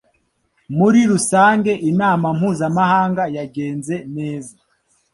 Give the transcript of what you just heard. Muri rusange inama mpuzamahanga yagenze neza